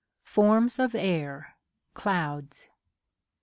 Forms of Air (Clouds).